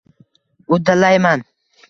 Uddalayman.